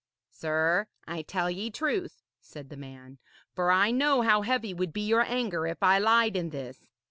'Sir, I tell ye truth,' said the man, 'for I know how heavy would be your anger if I lied in this.